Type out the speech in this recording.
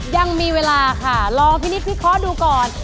ยังมีเวลาค่ะรอพี่นิดพี่ขอดูก่อน